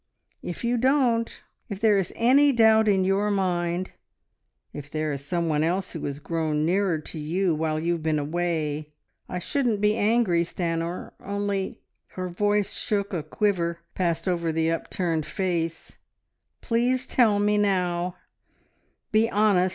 If you don't ... if there is any doubt in your mind, if there is some one else who has grown nearer to you while you've been away I shouldn't be angry, Stanor, only," her voice shook, a quiver passed over the upturned face, "please tell me now! Be honest!